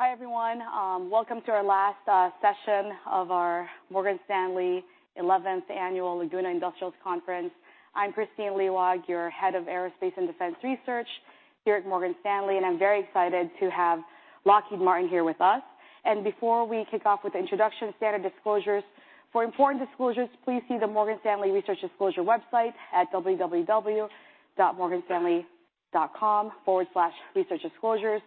Hi, everyone. Welcome to our last session of our Morgan Stanley Eleventh Annual Laguna Industrials Conference. I'm Kristine Liwag, your Head of Aerospace and Defense Research here at Morgan Stanley, and I'm very excited to have Lockheed Martin here with us. Before we kick off with the introduction, standard disclosures. For important disclosures, please see the Morgan Stanley Research Disclosure website at www.morganstanley.com/researchdisclosures.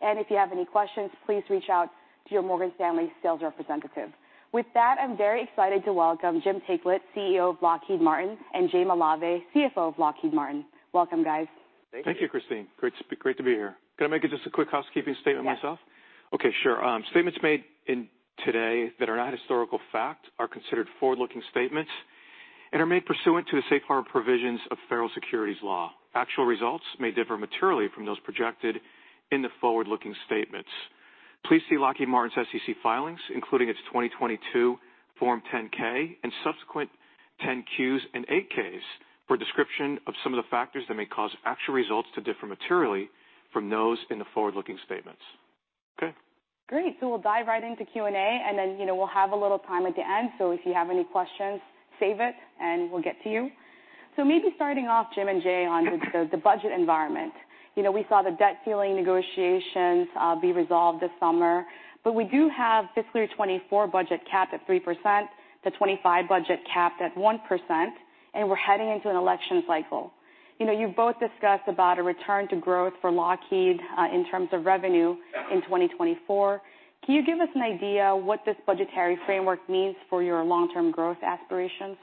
If you have any questions, please reach out to your Morgan Stanley sales representative. With that, I'm very excited to welcome Jim Taiclet, CEO of Lockheed Martin, and Jay Malave, CFO of Lockheed Martin. Welcome, guys. Thank you, Kristine. Great to be here. Can I make just a quick housekeeping statement myself? Yes. Okay, sure. Statements made today that are not historical fact are considered forward-looking statements and are made pursuant to the safe harbor provisions of federal securities law. Actual results may differ materially from those projected in the forward-looking statements. Please see Lockheed Martin's SEC filings, including its 2022 Form 10-K and subsequent 10-Qs and 8-Ks for a description of some of the factors that may cause actual results to differ materially from those in the forward-looking statements. Okay. Great. So we'll dive right into Q&A, and then, you know, we'll have a little time at the end, so if you have any questions, save it and we'll get to you. So maybe starting off, Jim and Jay, on the budget environment. You know, we saw the debt ceiling negotiations be resolved this summer, but we do have fiscal year 2024 budget capped at 3%, the 25 budget capped at 1%, and we're heading into an election cycle. You know, you've both discussed about a return to growth for Lockheed in terms of revenue in 2024. Can you give us an idea what this budgetary framework means for your long-term growth aspirations?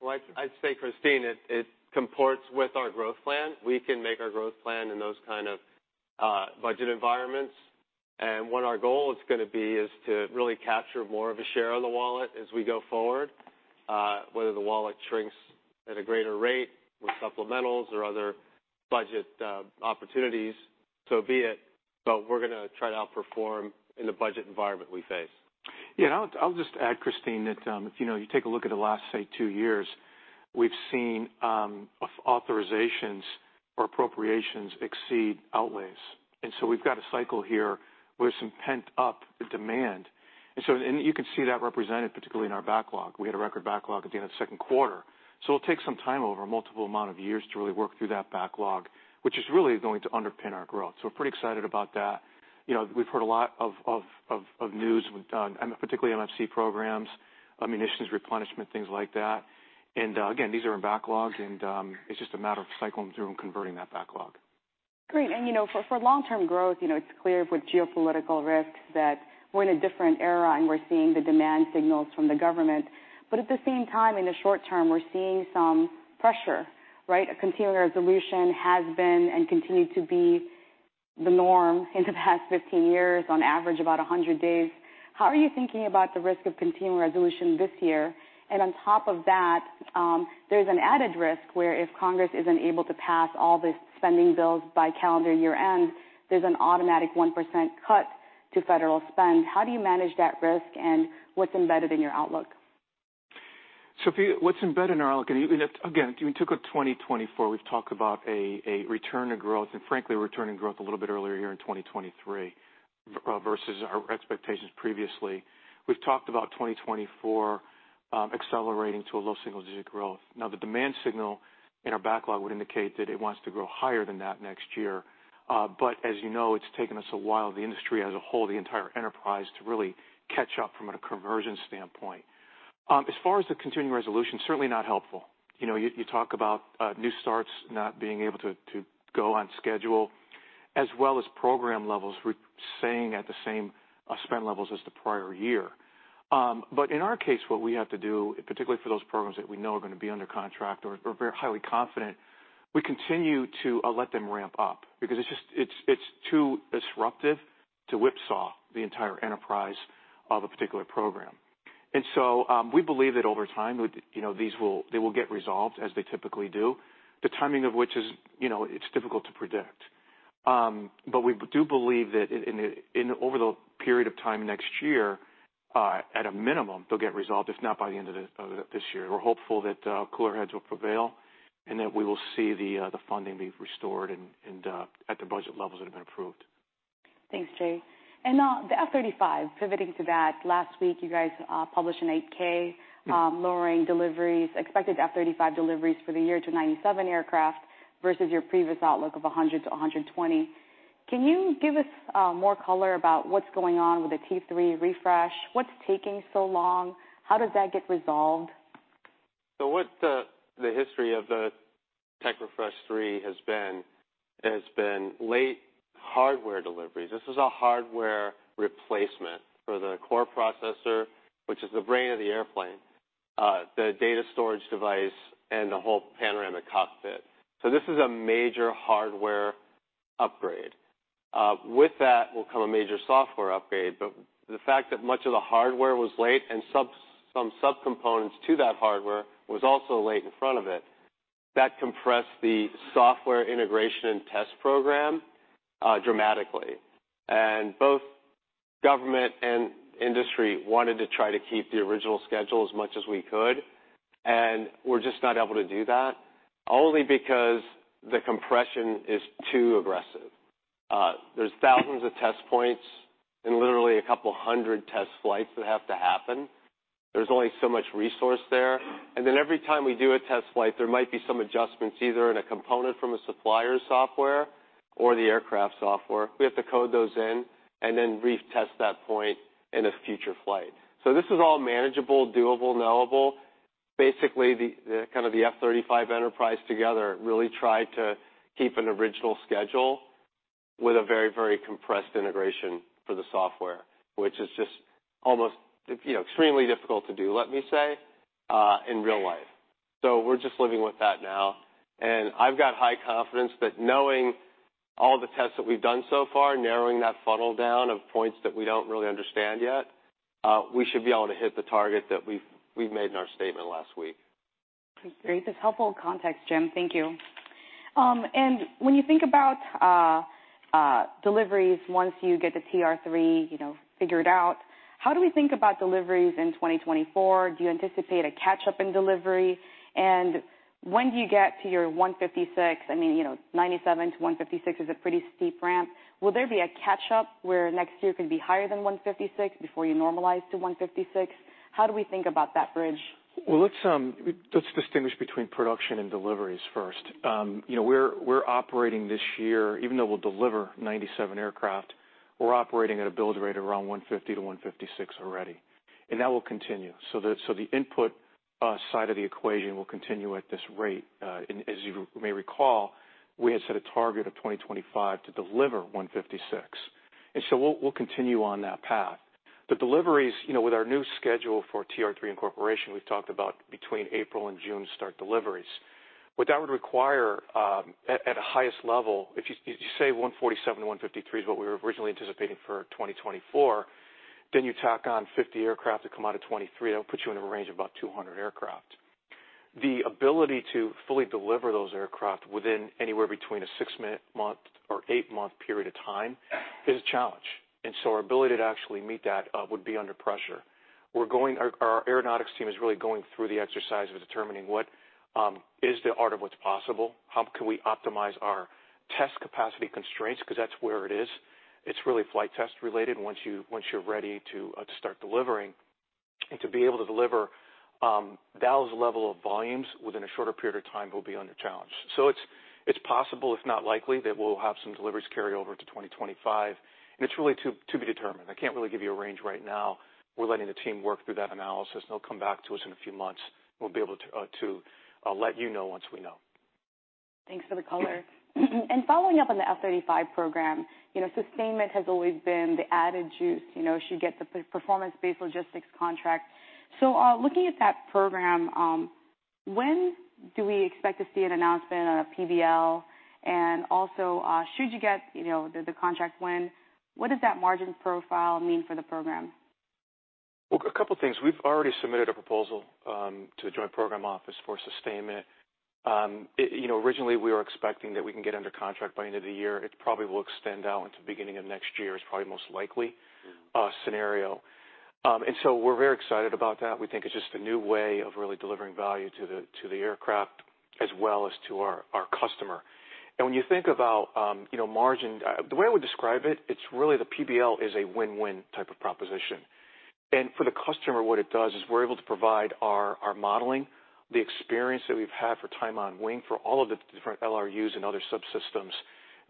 Well, I'd say, Kristine, it comports with our growth plan. We can make our growth plan in those kind of budget environments, and what our goal is gonna be is to really capture more of a share of the wallet as we go forward, whether the wallet shrinks at a greater rate with supplementals or other budget opportunities, so be it, but we're gonna try to outperform in the budget environment we face. Yeah, and I'll just add, Kristine, that, if, you know, you take a look at the last, say, two years, we've seen authorizations or appropriations exceed outlays. And so we've got a cycle here with some pent-up demand. And so, and you can see that represented, particularly in our backlog. We had a record backlog at the end of the second quarter, so it'll take some time over a multiple amount of years to really work through that backlog, which is really going to underpin our growth. So we're pretty excited about that. You know, we've heard a lot of news, and particularly MFC programs, ammunitions, replenishment, things like that. And, again, these are in backlogs, and, it's just a matter of cycling through and converting that backlog. Great. And, you know, for long-term growth, you know, it's clear with geopolitical risks that we're in a different era, and we're seeing the demand signals from the government. But at the same time, in the short term, we're seeing some pressure, right? A continuing resolution has been and continued to be the norm in the past 15 years, on average, about 100 days. How are you thinking about the risk of continuing resolution this year? And on top of that, there's an added risk where if Congress isn't able to pass all the spending bills by calendar year end, there's an automatic 1% cut to federal spend. How do you manage that risk, and what's embedded in your outlook? So if you—what's embedded in our outlook, and again, if you took 2024, we've talked about a return to growth, and frankly, a return to growth a little bit earlier here in 2023, versus our expectations previously. We've talked about 2024, accelerating to a low single-digit growth. Now, the demand signal in our backlog would indicate that it wants to grow higher than that next year, but as you know, it's taken us a while, the industry as a whole, the entire enterprise, to really catch up from a conversion standpoint. As far as the continuing resolution, certainly not helpful. You know, you talk about new starts not being able to go on schedule, as well as program levels staying at the same spend levels as the prior year. But in our case, what we have to do, particularly for those programs that we know are gonna be under contract or we're very highly confident, we continue to let them ramp up because it's just, it's too disruptive to whipsaw the entire enterprise of a particular program. And so, we believe that over time, you know, these will, they will get resolved as they typically do, the timing of which is, you know, it's difficult to predict. But we do believe that in, over the period of time next year, at a minimum, they'll get resolved, if not by the end of this year. We're hopeful that cooler heads will prevail and that we will see the funding being restored and at the budget levels that have been approved. Thanks, Jay. The F-35, pivoting to that, last week, you guys published an 8-K, lowering deliveries, expected F-35 deliveries for the year to 97 aircraft versus your previous outlook of 100-120. Can you give us more color about what's going on with the TR-3 refresh? What's taking so long? How does that get resolved? So the history of the Tech Refresh 3 has been late hardware deliveries. This is a hardware replacement for the core processor, which is the brain of the airplane, the data storage device, and the whole panoramic cockpit. So this is a major hardware upgrade. With that will come a major software upgrade, but the fact that much of the hardware was late and some subcomponents to that hardware was also late in front of it, that compressed the software integration and test program dramatically. Both government and industry wanted to try to keep the original schedule as much as we could and we're just not able to do that only because the compression is too aggressive. There's thousands of test points and literally a couple hundred test flights that have to happen. There's only so much resource there, and then every time we do a test flight, there might be some adjustments, either in a component from a supplier's software or the aircraft software. We have to code those in and then retest that point in a future flight. So this is all manageable, doable, knowable. Basically, the, kind of, the F-35 enterprise together really tried to keep an original schedule with a very, very compressed integration for the software, which is just almost extremely difficult to do, let me say, in real life. So we're just living with that now, and I've got high confidence that knowing all the tests that we've done so far, narrowing that funnel down of points that we don't really understand yet, we should be able to hit the target that we've made in our statement last week. Great. That's helpful context, Jim. Thank you. And when you think about deliveries, once you get the TR-3, you know, figured out, how do we think about deliveries in 2024? Do you anticipate a catch-up in delivery? And when do you get to your 156? I mean, you know, 97 to 156 is a pretty steep ramp. Will there be a catch-up where next year could be higher than 156 before you normalize to 156? How do we think about that bridge? Well, let's, let's distinguish between production and deliveries first. You know, we're, we're operating this year, even though we'll deliver 97 aircraft, we're operating at a build rate around 150-156 already, and that will continue. So the, so the input side of the equation will continue at this rate. And as you may recall, we had set a target of 2025 to deliver 156, and so we'll, we'll continue on that path. The deliveries, you know, with our new schedule for TR-3 incorporation, we've talked about between April and June, start deliveries. What that would require, at the highest level, if you say 147-153 is what we were originally anticipating for 2024, then you tack on 50 aircraft that come out of 2023, that'll put you in a range of about 200 aircraft. The ability to fully deliver those aircraft within anywhere between a 6-month or 8-month period of time is a challenge, and so our ability to actually meet that would be under pressure. We're going. Our aeronautics team is really going through the exercise of determining what is the art of what's possible? How can we optimize our test capacity constraints? Because that's where it is. It's really flight test related. Once you, once you're ready to, to start delivering and to be able to deliver, those level of volumes within a shorter period of time will be under challenge. So it's, it's possible, if not likely, that we'll have some deliveries carry over to 2025, and it's really to be determined. I can't really give you a range right now. We're letting the team work through that analysis. They'll come back to us in a few months. We'll be able to, to let you know once we know. Thanks for the color. And following up on the F-35 program, you know, sustainment has always been the added juice. You know, should get the performance-based logistics contract. So, looking at that program, when do we expect to see an announcement on a PBL? And also, should you get, you know, the contract win, what does that margin profile mean for the program? Look, a couple of things. We've already submitted a proposal to the joint program office for sustainment. It you know, originally, we were expecting that we can get under contract by end of the year. It probably will extend out into beginning of next year, is probably most likely scenario. And so we're very excited about that. We think it's just a new way of really delivering value to the, to the aircraft as well as to our, our customer. And when you think about, you know, margin, the way I would describe it, it's really the PBL is a win-win type of proposition. And for the customer, what it does is we're able to provide our, our modeling, the experience that we've had for time on wing, for all of the different LRUs and other subsystems.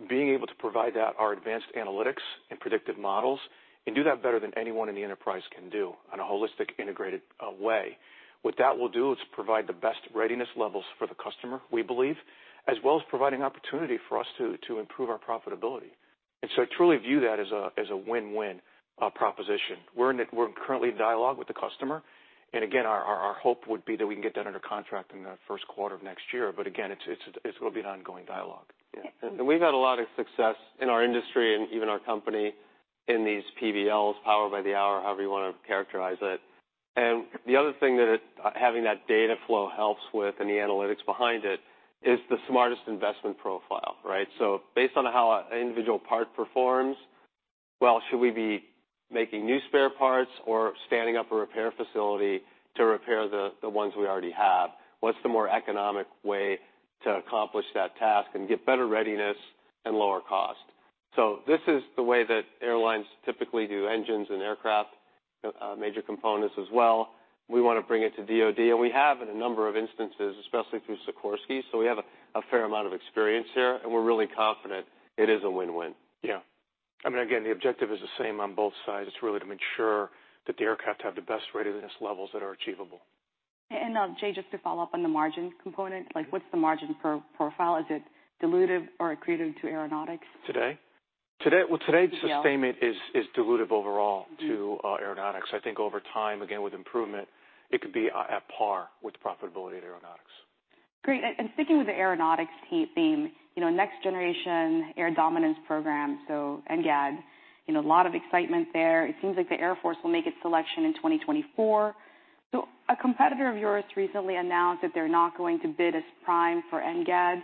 Being able to provide that, our advanced analytics and predictive models, and do that better than anyone in the enterprise can do on a holistic, integrated way. What that will do is provide the best readiness levels for the customer, we believe, as well as providing opportunity for us to improve our profitability. And so I truly view that as a win-win proposition. We're currently in dialogue with the customer, and again, our hope would be that we can get that under contract in the first quarter of next year. But again, it's going to be an ongoing dialogue. We've had a lot of success in our industry and even our company in these PBLs, power by the hour, however you want to characterize it. The other thing that it, having that data flow helps with, and the analytics behind it, is the smartest investment profile, right? So based on how an individual part performs, well, should we be making new spare parts or standing up a repair facility to repair the, the ones we already have? What's the more economic way to accomplish that task and get better readiness and lower cost? So this is the way that airlines typically do engines and aircraft, major components as well. We want to bring it to DoD, and we have in a number of instances, especially through Sikorsky. So we have a fair amount of experience here, and we're really confident it is a win-win. Yeah. I mean, again, the objective is the same on both sides. It's really to make sure that the aircraft have the best readiness levels that are achievable. Jay, just to follow up on the margin component, like, what's the margin profile? Is it dilutive or accretive to aeronautics? Today? Today, well, today, sustainment is dilutive overall to aeronautics. I think over time, again, with improvement, it could be at par with the profitability of aeronautics. Great. And sticking with the aeronautics theme, you know, Next Generation Air Dominance program, so NGAD, you know, a lot of excitement there. It seems like the Air Force will make its selection in 2024. So a competitor of yours recently announced that they're not going to bid as prime for NGAD.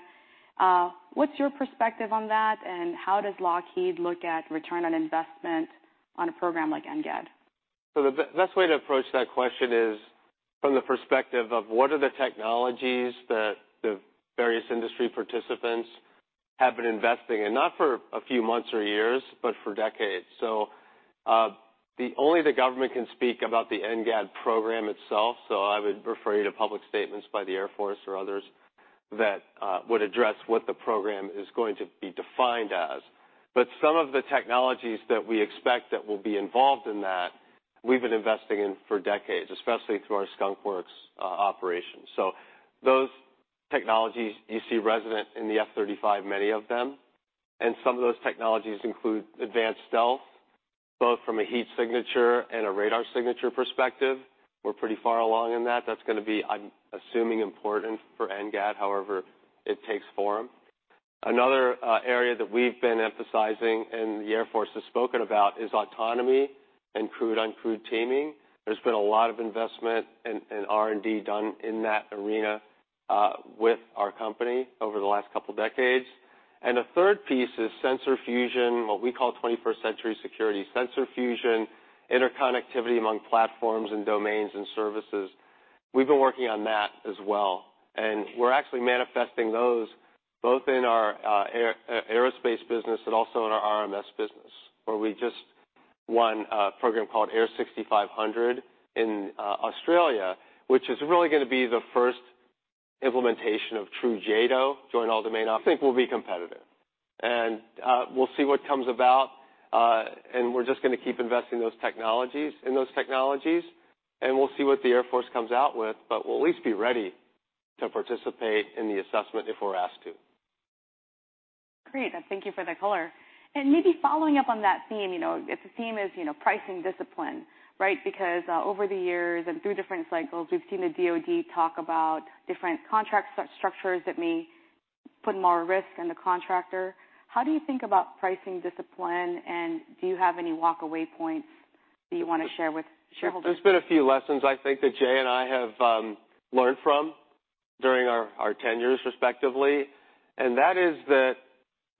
What's your perspective on that, and how does Lockheed look at return on investment on a program like NGAD? So the best way to approach that question is from the perspective of what are the technologies that the various industry participants have been investing in, not for a few months or years, but for decades. So, only the government can speak about the NGAD program itself, so I would refer you to public statements by the Air Force or others that would address what the program is going to be defined as. But some of the technologies that we expect that will be involved in that, we've been investing in for decades, especially through our Skunk Works operations. So those technologies you see resonate in the F-35, many of them, and some of those technologies include advanced stealth, both from a heat signature and a radar signature perspective. We're pretty far along in that. That's going to be, I'm assuming, important for NGAD, however it takes form. Another area that we've been emphasizing and the Air Force has spoken about is autonomy and crewed-uncrewed teaming. There's been a lot of investment and, and R&D done in that arena with our company over the last couple of decades. And a third piece is sensor fusion, what we call 21st Century Security. Sensor fusion, interconnectivity among platforms and domains and services. We've been working on that as well, and we're actually manifesting those both in our air, aerospace business and also in our RMS business, where we just won a program called AIR6500 in Australia, which is really going to be the first implementation of true JADO, Joint All Domain- I think we'll be competitive. We'll see what comes about, and we're just going to keep investing in those technologies, and we'll see what the Air Force comes out with, but we'll at least be ready to participate in the assessment if we're asked to. Great, and thank you for that color. And maybe following up on that theme, you know, if the theme is, you know, pricing discipline, right? Because, over the years and through different cycles, we've seen the DoD talk about different contract structures that may put more risk in the contractor. How do you think about pricing discipline, and do you have any walkaway points that you want to share with shareholders? There's been a few lessons I think that Jay and I have learned from during our tenures, respectively, and that is that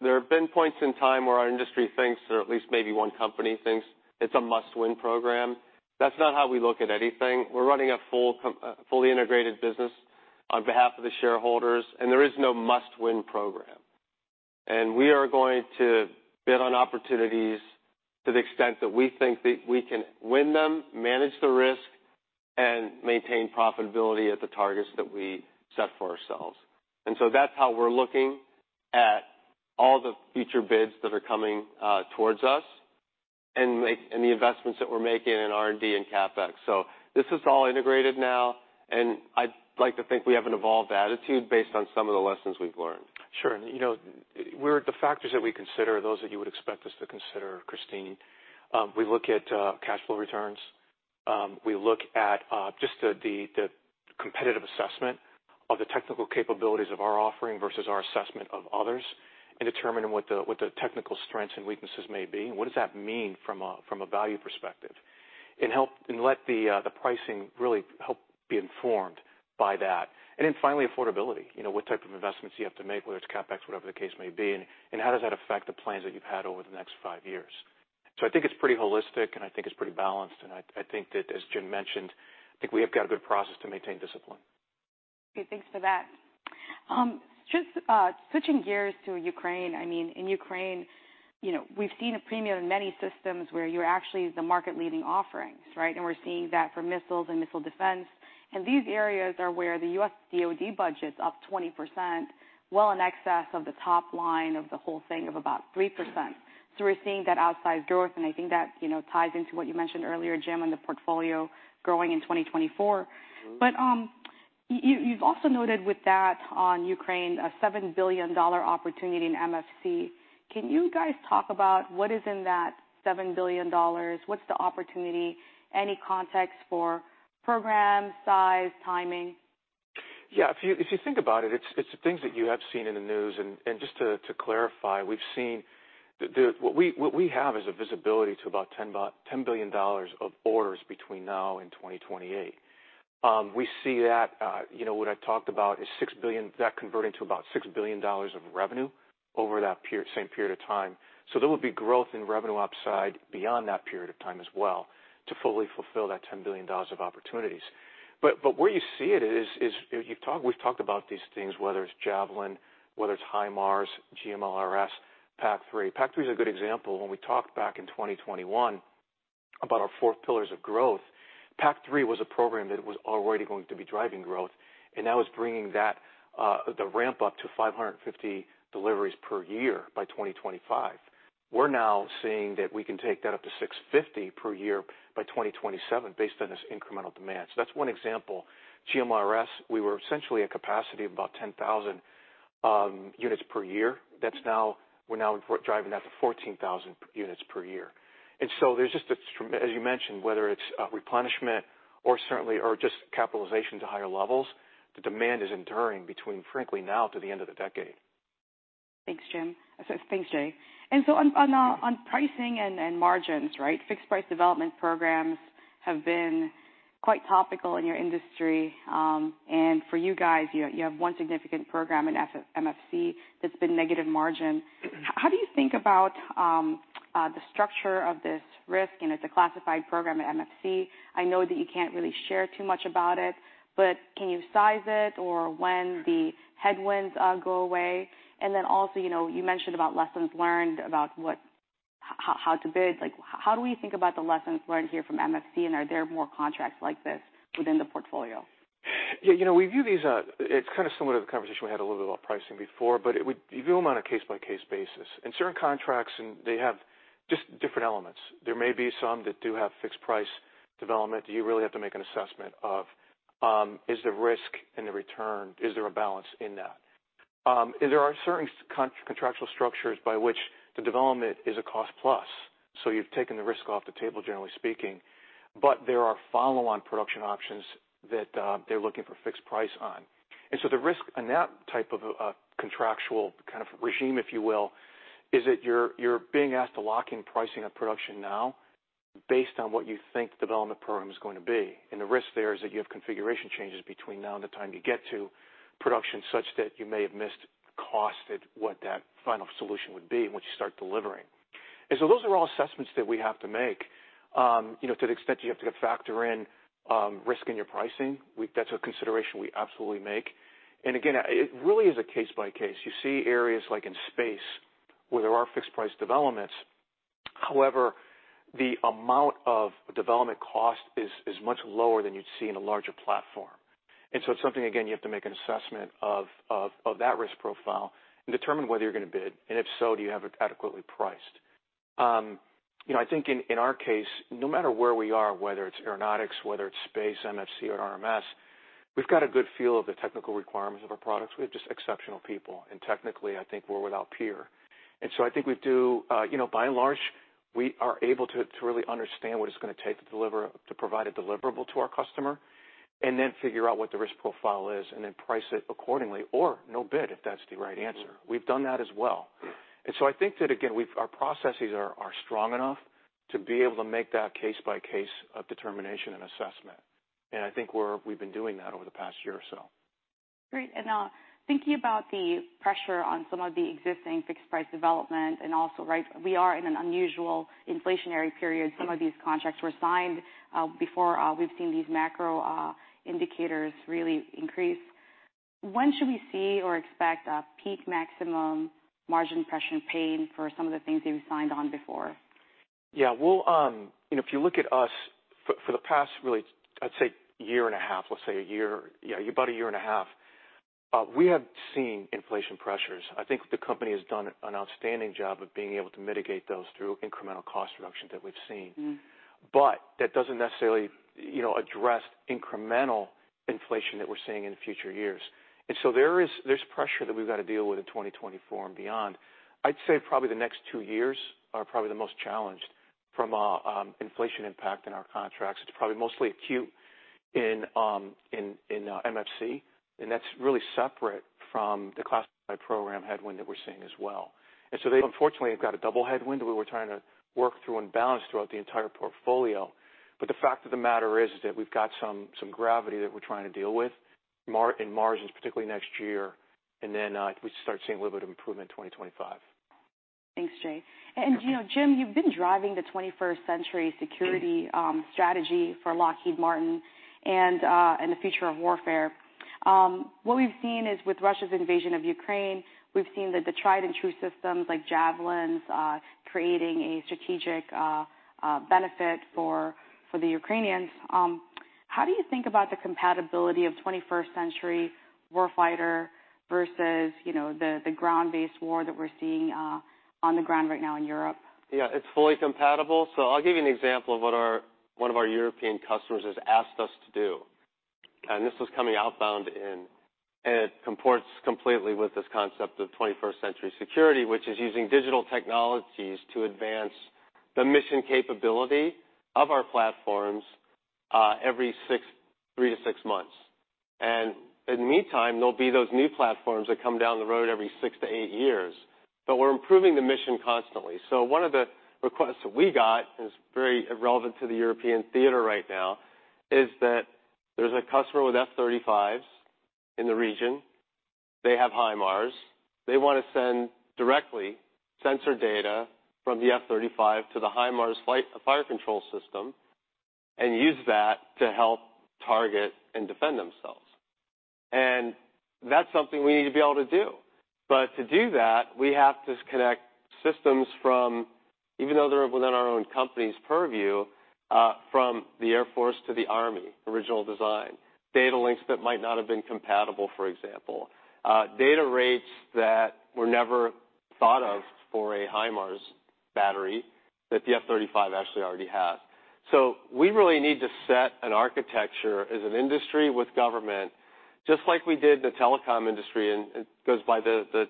there have been points in time where our industry thinks, or at least maybe one company thinks, it's a must-win program. That's not how we look at anything. We're running a fully integrated business on behalf of the shareholders, and there is no must-win program. And we are going to bid on opportunities to the extent that we think that we can win them, manage the risk, and maintain profitability at the targets that we set for ourselves. And so that's how we're looking at all the future bids that are coming towards us and the investments that we're making in R&D and CapEx. This is all integrated now, and I'd like to think we have an evolved attitude based on some of the lessons we've learned. Sure, and you know, the factors that we consider are those that you would expect us to consider, Kristine. We look at cash flow returns. We look at just the competitive assessment of the technical capabilities of our offering versus our assessment of others, and determining what the technical strengths and weaknesses may be, and what does that mean from a value perspective? And let the pricing really help be informed by that. And then finally, affordability. You know, what type of investments you have to make, whether it's CapEx, whatever the case may be, and how does that affect the plans that you've had over the next five years? So, I think it's pretty holistic, and I think it's pretty balanced, and I, I think that, as Jim mentioned, I think we have got a good process to maintain discipline. Okay, thanks for that. Just switching gears to Ukraine. I mean, in Ukraine, you know, we've seen a premium in many systems where you're actually the market-leading offerings, right? And we're seeing that for missiles and missile defense. And these areas are where the U.S. DoD budget's up 20%, well in excess of the top line of the whole thing of about 3%. So we're seeing that outsized growth, and I think that, you know, ties into what you mentioned earlier, Jim, on the portfolio growing in 2024. But you, you've also noted with that on Ukraine, a $7 billion opportunity in MFC. Can you guys talk about what is in that $7 billion? What's the opportunity? Any context for program, size, timing? Yeah, if you think about it, it's the things that you have seen in the news. And just to clarify, what we have is a visibility to about $10 billion of orders between now and 2028. We see that, you know, what I talked about is $6 billion, that converting to about $6 billion of revenue over that period, same period of time. So there will be growth in revenue upside beyond that period of time as well, to fully fulfill that $10 billion of opportunities. But where you see it is, we've talked about these things, whether it's Javelin, whether it's HIMARS, GMLRS, PAC-3. PAC-3 is a good example. When we talked back in 2021 about our four pillars of growth, PAC-3 was a program that was already going to be driving growth, and that was bringing that, the ramp up to 550 deliveries per year by 2025. We're now seeing that we can take that up to 650 per year by 2027 based on this incremental demand. So that's one example. GMLRS, we were essentially at capacity of about 10,000 units per year. That's now, we're now driving that to 14,000 units per year. And so there's just this, as you mentioned, whether it's, replenishment or certainly, or just capitalization to higher levels, the demand is enduring between, frankly, now to the end of the decade. Thanks, Jim. So thanks, Jay. And so on pricing and margins, right? Fixed price development programs have been quite topical in your industry. And for you guys, you have one significant program in the MFC that's been negative margin. How do you think about the structure of this risk? And it's a classified program at MFC. I know that you can't really share too much about it, but can you size it or when the headwinds go away? And then also, you know, you mentioned about lessons learned about what-- how to bid. Like, how do we think about the lessons learned here from MFC, and are there more contracts like this within the portfolio? Yeah, you know, we view these, it's kind of similar to the conversation we had a little bit about pricing before, but it would... We view them on a case-by-case basis. In certain contracts, and they have just different elements. There may be some that do have fixed-price development that you really have to make an assessment of, is the risk and the return, is there a balance in that? And there are certain contractual structures by which the development is a cost plus, so you've taken the risk off the table, generally speaking, but there are follow-on production options that, they're looking for fixed price on. And so the risk in that type of contractual kind of regime, if you will, is that you're being asked to lock in pricing of production now, based on what you think the development program is going to be. And the risk there is that you have configuration changes between now and the time you get to production, such that you may have missed the cost at what that final solution would be once you start delivering. And so those are all assessments that we have to make. You know, to the extent you have to factor in risk in your pricing, that's a consideration we absolutely make. And again, it really is a case by case. You see areas like in space, where there are fixed price developments. However, the amount of development cost is much lower than you'd see in a larger platform. So it's something, again, you have to make an assessment of that risk profile and determine whether you're going to bid, and if so, do you have it adequately priced? You know, I think in our case, no matter where we are, whether it's Aeronautics, whether it's Space, MFC or RMS, we've got a good feel of the technical requirements of our products. We have just exceptional people, and technically, I think we're without peer. And so I think we do, you know, by and large, we are able to really understand what it's going to take to deliver, to provide a deliverable to our customer, and then figure out what the risk profile is and then price it accordingly, or no bid, if that's the right answer. We've done that as well. And so I think that, again, we've our processes are strong enough to be able to make that case-by-case determination and assessment. And I think we've been doing that over the past year or so. Great. And, thinking about the pressure on some of the existing fixed price development, and also, right, we are in an unusual inflationary period. Some of these contracts were signed before we've seen these macro indicators really increase. When should we see or expect a peak maximum margin pressure pain for some of the things that you signed on before? Yeah, we'll. You know, if you look at us, for the past, really, I'd say year and a half, let's say a year, yeah, about a year and a half, we have seen inflation pressures. I think the company has done an outstanding job of being able to mitigate those through incremental cost reductions that we've seen. Mm-hmm. But that doesn't necessarily, you know, address incremental inflation that we're seeing in future years. So there's pressure that we've got to deal with in 2024 and beyond. I'd say probably the next 2 years are probably the most challenged from a inflation impact in our contracts. It's probably mostly acute in MFC, and that's really separate from the classified program headwind that we're seeing as well. And so they, unfortunately, have got a double headwind that we were trying to work through and balance throughout the entire portfolio. But the fact of the matter is that we've got some gravity that we're trying to deal with in margins, particularly next year, and then we start seeing a little bit of improvement in 2025. Thanks, Jay. And, you know, Jim, you've been driving the 21st Century Security strategy for Lockheed Martin and the future of warfare. What we've seen is with Russia's invasion of Ukraine, we've seen that the tried and true systems like Javelins creating a strategic benefit for the Ukrainians. How do you think about the compatibility of 21st century warfighter versus, you know, the ground-based war that we're seeing on the ground right now in Europe? Yeah, it's fully compatible. So I'll give you an example of what one of our European customers has asked us to do, and this was coming outbound in, and it comports completely with this concept of 21st Century Security, which is using digital technologies to advance the mission capability of our platforms every 3-6 months. And in the meantime, there'll be those new platforms that come down the road every 6-8 years, but we're improving the mission constantly. So one of the requests that we got is very relevant to the European theater right now, is that there's a customer with F-35s in the region. They have HIMARS. They want to send directly sensor data from the F-35 to the HIMARS flight fire control system and use that to help target and defend themselves. That's something we need to be able to do. But to do that, we have to connect systems from, even though they're within our own company's purview, from the Air Force to the Army, original design. Data links that might not be compatible, for example. Data rates that were never thought of for a HIMARS battery that the F-35 actually already has. So we really need to set an architecture as an industry with government, just like we did in the telecom industry, and it goes by the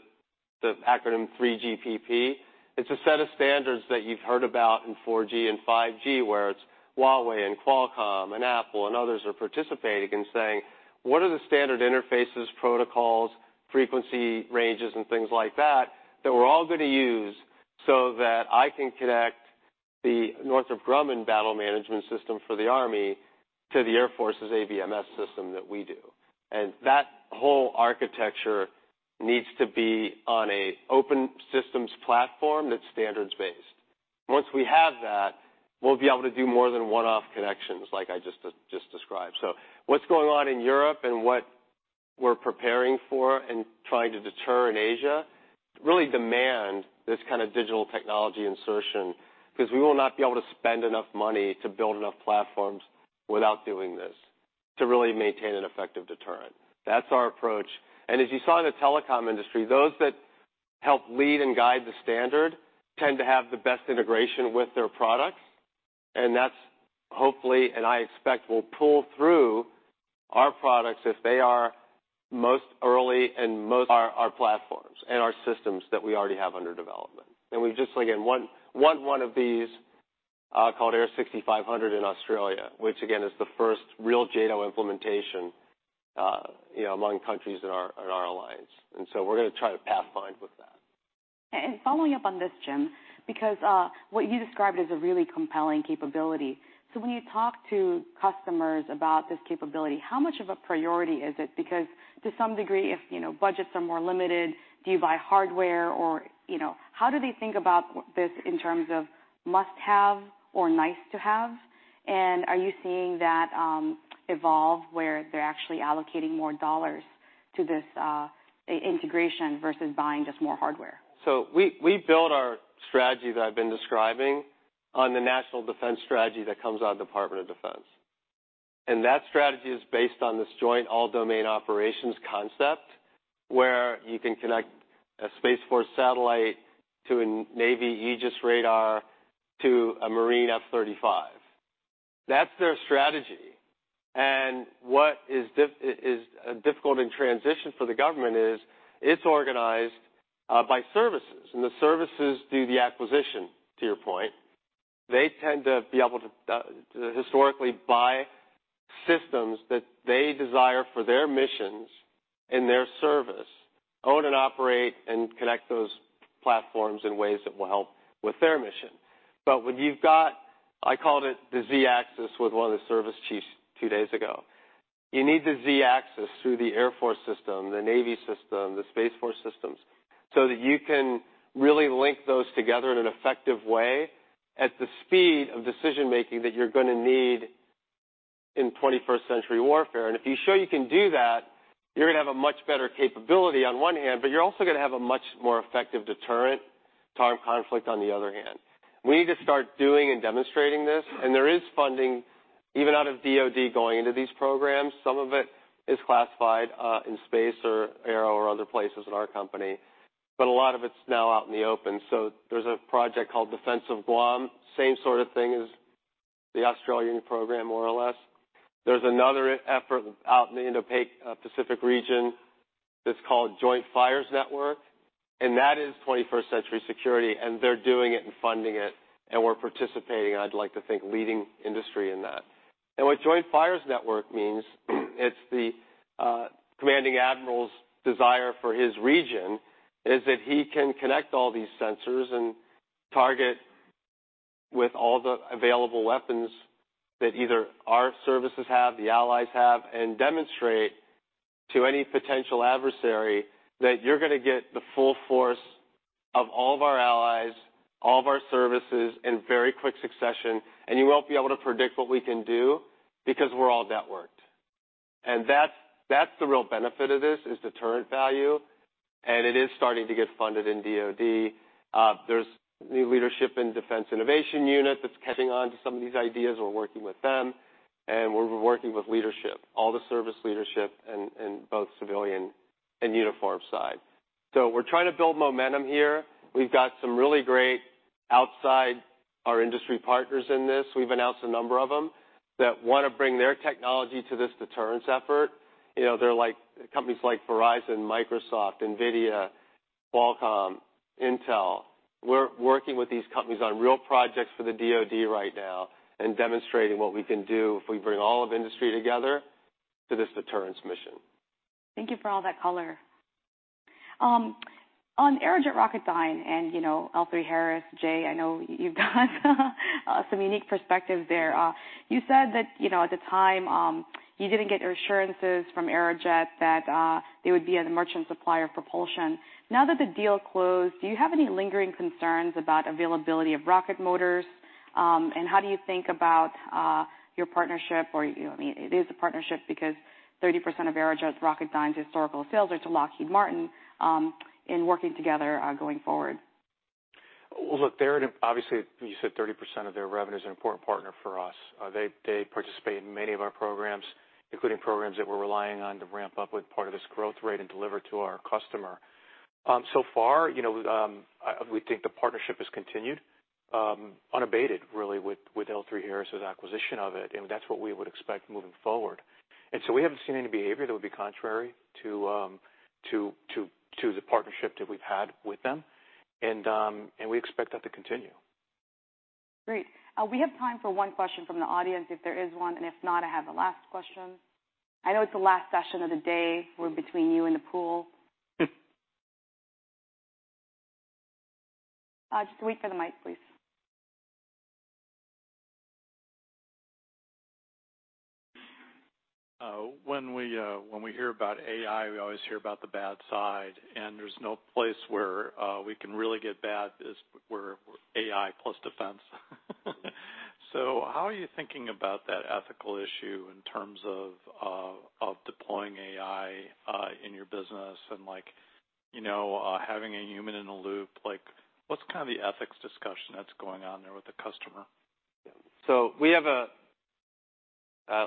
acronym 3GPP. It's a set of standards that you've heard about in 4G and 5G, where it's Huawei and Qualcomm and Apple and others are participating and saying: What are the standard interfaces, protocols, frequency ranges, and things like that, that we're all going to use so that I can connect. The Northrop Grumman battle management system for the Army to the Air Force's ABMS system that we do. And that whole architecture needs to be on an open systems platform that's standards-based. Once we have that, we'll be able to do more than one-off connections like I just described. So what's going on in Europe and what we're preparing for and trying to deter in Asia really demand this kind of digital technology insertion, 'cause we will not be able to spend enough money to build enough platforms without doing this, to really maintain an effective deterrent. That's our approach. As you saw in the telecom industry, those that help lead and guide the standard tend to have the best integration with their products, and that's hopefully, and I expect, will pull through our products if they are most early and most our platforms and our systems that we already have under development. We've just, again, won one of these, called AIR6500 in Australia, which again, is the first real JADO implementation among countries in our alliance. So we're gonna try to pathfind with that. Following up on this, Jim, because what you described is a really compelling capability. So when you talk to customers about this capability, how much of a priority is it? Because to some degree, if you know, budgets are more limited, do you buy hardware or, you know, how do they think about this in terms of must-have or nice to have? Are you seeing that evolve where they're actually allocating more dollars to this integration versus buying just more hardware? So we build our strategy that I've been describing on the National Defense Strategy that comes out of Department of Defense. That strategy is based on this Joint All-Domain Operations concept, where you can connect a Space Force satellite to a Navy Aegis radar to a Marine F-35. That's their strategy. What is difficult in transition for the government is, it's organized by services, and the services do the acquisition, to your point. They tend to be able to historically buy systems that they desire for their missions and their service, own and operate and connect those platforms in ways that will help with their mission. But when you've got, I called it the Z-axis with one of the service chiefs two days ago. You need the Z-axis through the Air Force system, the Navy system, the Space Force systems, so that you can really link those together in an effective way at the speed of decision-making that you're gonna need in 21st century warfare. And if you show you can do that, you're gonna have a much better capability on one hand, but you're also gonna have a much more effective deterrent to conflict on the other hand. We need to start doing and demonstrating this, and there is funding, even out of DoD, going into these programs. Some of it is classified in space or aero or other places in our company, but a lot of it's now out in the open. So there's a project called Defense of Guam, same sort of thing as the Australian program, more or less. There's another effort out in the Indo-Pacific region that's called Joint Fires Network, and that is 21st Century Security, and they're doing it and funding it, and we're participating, and I'd like to think leading industry in that. And what Joint Fires Network means, it's the commanding admiral's desire for his region, is that he can connect all these sensors and target with all the available weapons that either our services have, the allies have, and demonstrate to any potential adversary that you're gonna get the full force of all of our allies, all of our services, in very quick succession, and you won't be able to predict what we can do because we're all networked. And that's, that's the real benefit of this, is deterrent value, and it is starting to get funded in DoD. There's new leadership in Defense Innovation Unit that's catching on to some of these ideas. We're working with them, and we're working with leadership, all the service leadership in both civilian and uniform side. So we're trying to build momentum here. We've got some really great outside our industry partners in this. We've announced a number of them that want to bring their technology to this deterrence effort. You know, they're like companies like Verizon, Microsoft, NVIDIA, Qualcomm, Intel. We're working with these companies on real projects for the DOD right now and demonstrating what we can do if we bring all of industry together for this deterrence mission. Thank you for all that color. On Aerojet Rocketdyne and, you know, L3Harris, Jay, I know you've got some unique perspective there. You said that, you know, at the time, you didn't get reassurances from Aerojet that, they would be a merchant supplier propulsion. Now that the deal closed, do you have any lingering concerns about availability of rocket motors? And how do you think about, your partnership or, you know, it is a partnership because 30% of Aerojet Rocketdyne's historical sales are to Lockheed Martin, in working together, going forward? Well, look, they're obviously. You said 30% of their revenue is an important partner for us. They participate in many of our programs, including programs that we're relying on to ramp up with part of this growth rate and deliver to our customer. So far, you know, we think the partnership has continued unabated really with L3Harris's acquisition of it, and that's what we would expect moving forward. And so we haven't seen any behavior that would be contrary to the partnership that we've had with them. And we expect that to continue. Great. We have time for one question from the audience, if there is one, and if not, I have a last question. I know it's the last session of the day. We're between you and the pool. Just wait for the mic, please. When we hear about AI, we always hear about the bad side, and there's no place where we can really get bad as where AI plus defense. So how are you thinking about that ethical issue in terms of of deploying AI in your business and like, you know, having a human in the loop? Like, what's kind of the ethics discussion that's going on there with the customer? So we have a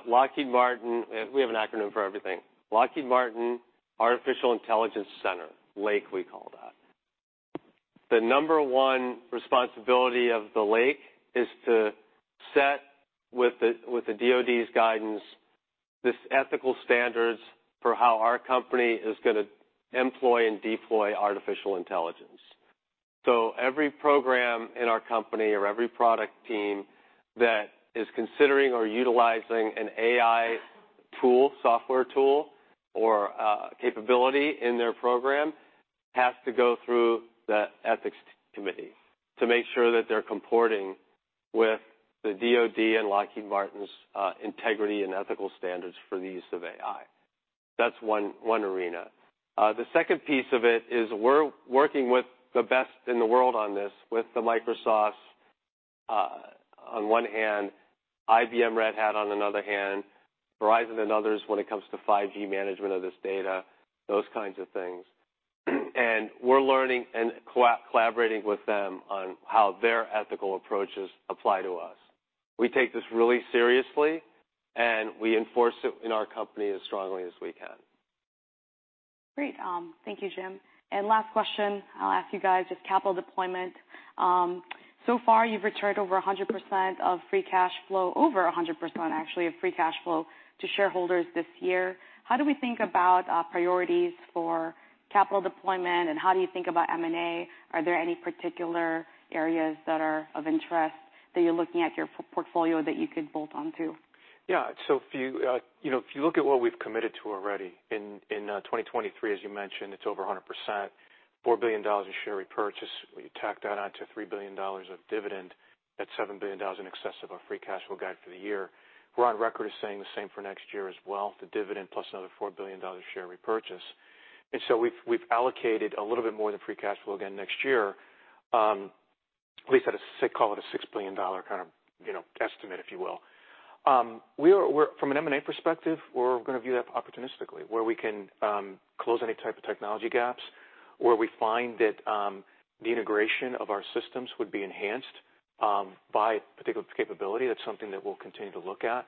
Lockheed Martin. We have an acronym for everything. Lockheed Martin Artificial Intelligence Center, LAIC, we call that. The number one responsibility of the LAIC is to set, with the DoD's guidance, this ethical standards for how our company is going to employ and deploy artificial intelligence. So every program in our company or every product team that is considering or utilizing an AI tool, software tool, or capability in their program has to go through the ethics committee to make sure that they're comporting with the DoD and Lockheed Martin's integrity and ethical standards for the use of AI. That's one arena. The second piece of it is we're working with the best in the world on this, with the Microsofts, on one hand, IBM, Red Hat on another hand, Verizon and others when it comes to 5G management of this data, those kinds of things. And we're learning and collaborating with them on how their ethical approaches apply to us. We take this really seriously, and we enforce it in our company as strongly as we can. Great. Thank you, Jim. And last question I'll ask you guys is capital deployment. So far, you've returned over 100% of free cash flow, over 100%, actually, of free cash flow to shareholders this year. How do we think about priorities for capital deployment, and how do you think about M&A? Are there any particular areas that are of interest that you're looking at your portfolio that you could bolt onto? Yeah. So if you, you know, if you look at what we've committed to already in 2023, as you mentioned, it's over 100%, $4 billion in share repurchase. When you tack that on to $3 billion of dividend, that's $7 billion in excess of our free cash flow guide for the year. We're on record as saying the same for next year as well, the dividend plus another $4 billion share repurchase. And so we've allocated a little bit more than free cash flow again next year, at least at a call it a $6 billion kind of, you know, estimate, if you will. From an M&A perspective, we're going to view that opportunistically, where we can, close any type of technology gaps, where we find that, the integration of our systems would be enhanced, by a particular capability. That's something that we'll continue to look at.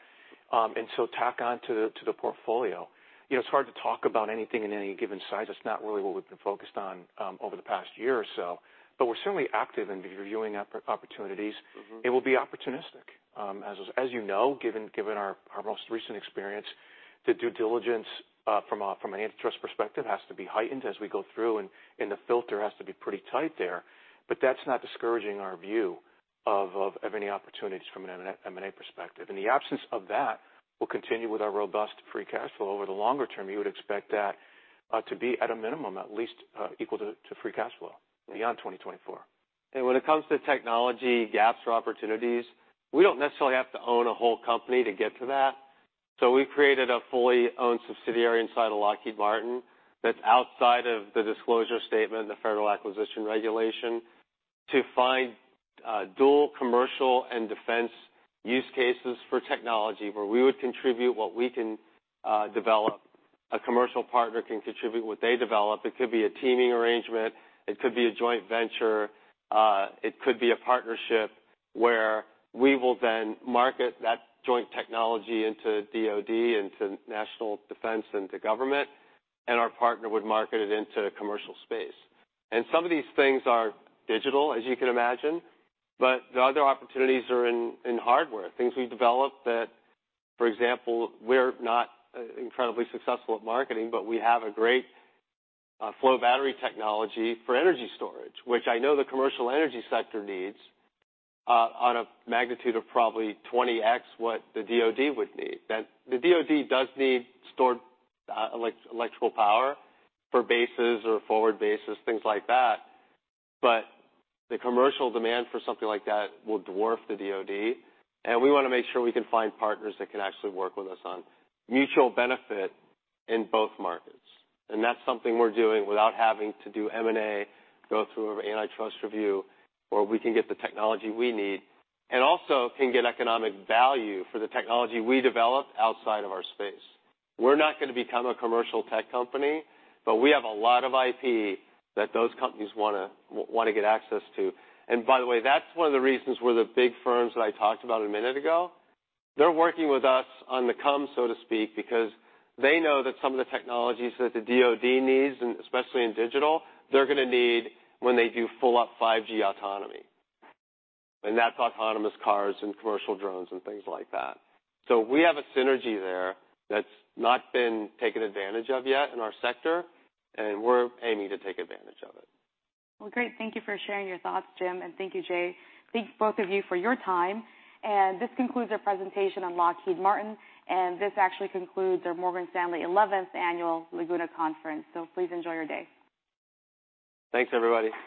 And so tack on to the portfolio. You know, it's hard to talk about anything in any given size. That's not really what we've been focused on, over the past year or so, but we're certainly active in reviewing opportunities. Mm-hmm. It will be opportunistic. As you know, given our most recent experience, the due diligence from an antitrust perspective has to be heightened as we go through, and the filter has to be pretty tight there. But that's not discouraging our view of any opportunities from an M&A perspective. In the absence of that, we'll continue with our robust free cash flow. Over the longer term, you would expect that to be at a minimum, at least, equal to free cash flow beyond 2024. When it comes to technology gaps or opportunities, we don't necessarily have to own a whole company to get to that. So we've created a fully owned subsidiary inside of Lockheed Martin that's outside of the disclosure statement, the Federal Acquisition Regulation, to find dual commercial and defense use cases for technology, where we would contribute what we can develop. A commercial partner can contribute what they develop. It could be a teaming arrangement, it could be a joint venture, it could be a partnership where we will then market that joint technology into DoD and to national defense and to government, and our partner would market it into commercial space. Some of these things are digital, as you can imagine, but the other opportunities are in hardware, things we develop that, for example, we're not incredibly successful at marketing, but we have a great flow battery technology for energy storage, which I know the commercial energy sector needs on a magnitude of probably 20x what the DoD would need. The DoD does need stored electrical power for bases or forward bases, things like that, but the commercial demand for something like that will dwarf the DoD, and we want to make sure we can find partners that can actually work with us on mutual benefit in both markets. And that's something we're doing without having to do M&A, go through an antitrust review, where we can get the technology we need and also can get economic value for the technology we develop outside of our space. We're not going to become a commercial tech company, but we have a lot of IP that those companies want to, want to get access to. And by the way, that's one of the reasons where the big firms that I talked about a minute ago, they're working with us on the come, so to speak, because they know that some of the technologies that the DoD needs, and especially in digital, they're going to need when they do full up 5G autonomy, and that's autonomous cars and commercial drones and things like that. So we have a synergy there that's not been taken advantage of yet in our sector, and we're aiming to take advantage of it. Well, great. Thank you for sharing your thoughts, Jim, and thank you, Jay. Thank both of you for your time, and this concludes our presentation on Lockheed Martin, and this actually concludes our Morgan Stanley Eleventh Annual Laguna Conference. So please enjoy your day. Thanks, everybody.